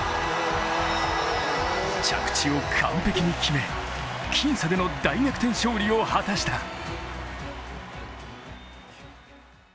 着地を完璧に決め僅差での大逆転勝利を果たした。